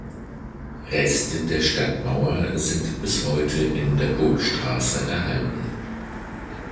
Reste der Stadtmauer sind bis heute in der Burgstraße erhalten.